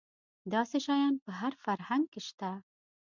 داسې شیان په هر فرهنګ کې شته.